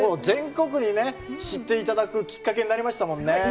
全国にね知っていただくきっかけになりましたもんね。